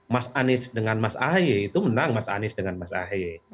mas anies dengan mas ahaye itu menang mas anies dengan mas ahaye